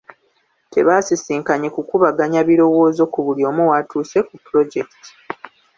Tebaasisinkanye kukubaganya birowoozo ku buli omu waatuuse ku pulojekiti.